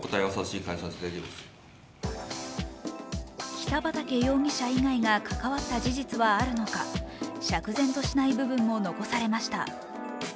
北畠容疑者以外が関わった事実はあるのか、釈然としない部分も残されました。